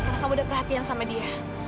karena kamu udah perhatian sama dia